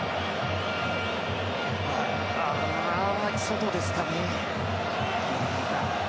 外ですかね。